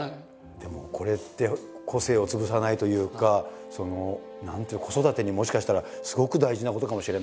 でもこれって個性を潰さないというか何ていう子育てにもしかしたらすごく大事なことかもしれないですね。